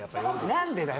何でだよ。